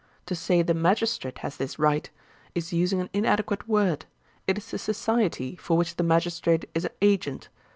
To say the magistrate has this right, is using an inadequate word: it is the society for which the magistrate is agent.